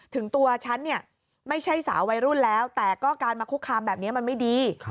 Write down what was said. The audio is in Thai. ถึงตัวฉันเนี่ยไม่ใช่สาววัยรุ่นแล้วแต่ก็การมาคุกคามแบบนี้มันไม่ดี